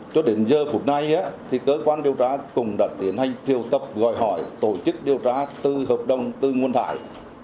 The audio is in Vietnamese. cho đến giờ phút nay thì cơ quan điều tra cùng đặt tiến hành thiêu tập gọi hỏi tổ chức điều tra tư hợp đồng tư nguồn thải